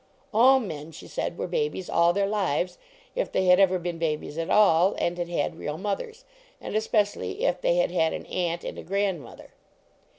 All men, she said, were babies all their lives, if they had ever been babies at all, and had had real mothers ; and especially if they had had an aunt and a grandmother.